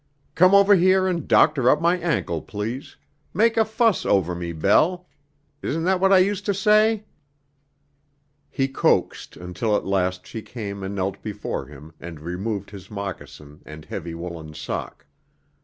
Come over here and doctor up my ankle, please. 'Make a fuss over me, Bell.' Isn't that what I used to say?" He coaxed until at last she came and knelt before him and removed his moccasin and heavy woolen sock.